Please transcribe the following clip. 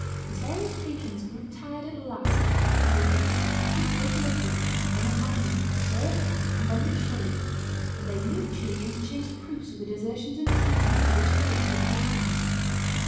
His various patrons grew tired at last of being incessantly taken up with and then abandoned, served and then betrayed; and they mutually interchanged proofs of the desertions and treasons to which they had been victims.